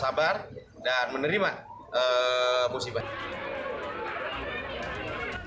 sabar dan menerima musibah